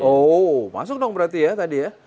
oh masuk dong berarti ya tadi ya